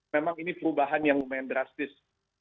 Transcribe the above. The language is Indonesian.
memang ini perubahan yang lumayan drastis